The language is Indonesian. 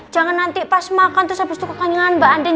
jangan nanti pas makan terus abis itu kekanyangan mbak andin